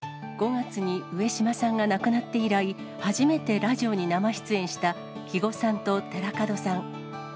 ５月に上島さんが亡くなって以来、初めてラジオに生出演した、肥後さんと寺門さん。